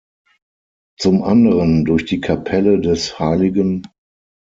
Zum anderen durch die Kapelle des hl.